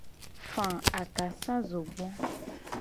Fa akasazogbo.